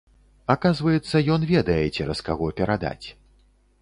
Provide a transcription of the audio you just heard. Аказваецца, ён ведае цераз каго перадаць.